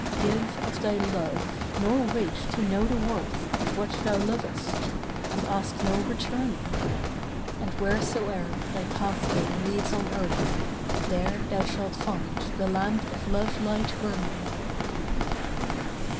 Give of thy love, nor wait to know the worth Of what thou lovest; and ask no returning. And wheresoe'er thy pathway leads on earth, There thou shalt find the lamp of love light burning.